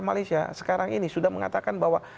malaysia sekarang ini sudah mengatakan bahwa